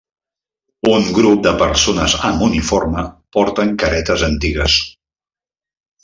Un grup de persones amb uniforme porten caretes antigàs.